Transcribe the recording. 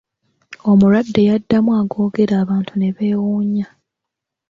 Omulwadde yaddamu agoogera abantu ne beewunya.